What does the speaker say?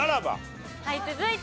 はい。